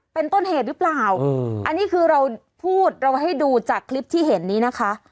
เป็นต้นเหตุหรือเปล่าอันนี้คือเราพูดเราให้ดูจากคลิปที่เห็นนี้นะคะ